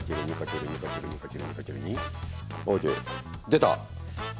ＯＫ出た！